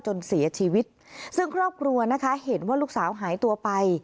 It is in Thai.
จนเสียชีวิตซึ่งครอบครัวนะคะเห็นว่าลูกสาวหายตัวไป